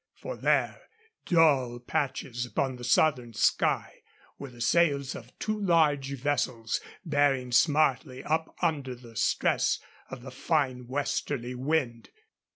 For there, dull patches upon the southern sky, were the sails of two large vessels bearing smartly up under the stress of the fine westerly wind.